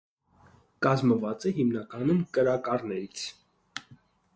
Կազմված է հիմնականում կրաքարերից։